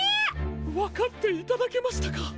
わかっていただけましたか！